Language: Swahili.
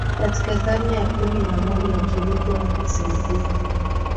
Katika karne ya kumi na moja Waturuki wa Seljuk